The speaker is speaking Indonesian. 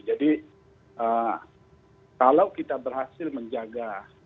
jadi kalau kita berhasil menjaga